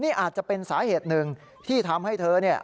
นี่อาจจะเป็นสาเหตุหนึ่งที่ทำให้เธอ